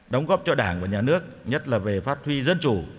đóng góp cho đảng và nhà nước nhất là về phát huy dân chủ